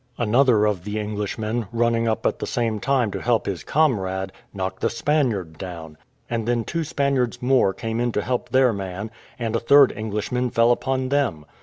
Another of the Englishmen, running up at the same time to help his comrade, knocked the Spaniard down; and then two Spaniards more came in to help their man, and a third Englishman fell in upon them.